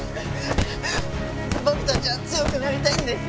僕たちは強くなりたいんです。